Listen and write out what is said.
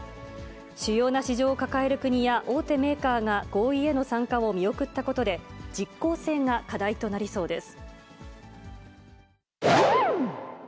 主要な市場を抱える国や大手メーカーが合意への参加を見送ったことで、実効性が課題となりそうです。